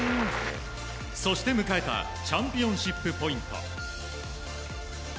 そして迎えたチャンピオンシップポイント。